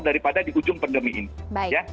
daripada di ujung pandemi ini ya